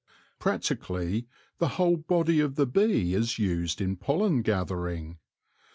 Practically the whole body of the bee is used in pollen gathering.